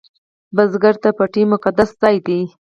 بزګر ته پټی مقدس ځای دی